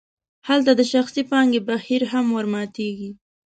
هلته د شخصي پانګې بهیر هم ورماتیږي.